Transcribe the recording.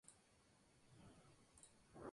Es conocido por su obra "Los monasterios de Luoyang".